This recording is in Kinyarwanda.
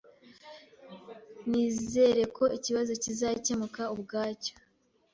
Nizere ko ikibazo kizakemura ubwacyo